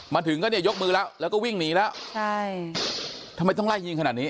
มาถึงก็เนี่ยยกมือแล้วแล้วก็วิ่งหนีแล้วใช่ทำไมต้องไล่ยิงขนาดนี้